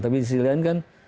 tapi di sisi lain kan